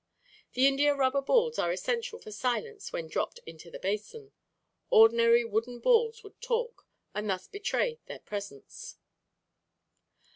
The India rubber balls are essential for silence when dropped into the basin. Ordinary wooden balls would "talk" and thus betray their presence.